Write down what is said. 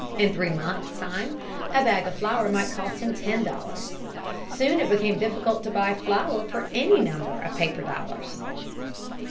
In three months' time a bag of flour might cost him ten dollars. Soon it became difficult to buy flour for any number of paper dollars.